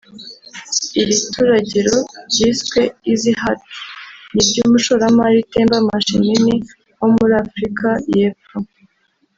Iri turagiro ryiswe “Easy hatch” ni iry’umushoramari Temba Mashinini wo muri Afurika y’Epfo